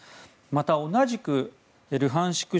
また、同じくルハンシク